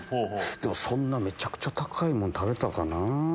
でもそんなめちゃくちゃ高いもん食べたかなぁ。